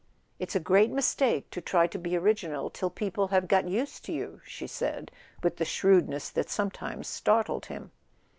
" It's a great mistake to try to be original till people have got used to you," she said, with the shrewdness that sometimes startled him.